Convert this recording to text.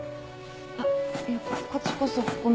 あっいやこっちこそごめん。